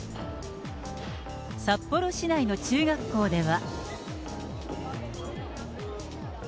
札幌市内の中学校では。